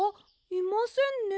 いませんね。